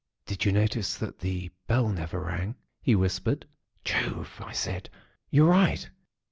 "'Did you notice that the bell never rang?' he whispered. "'Jove!' I said, 'you're right.'